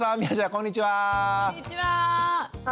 こんにちは！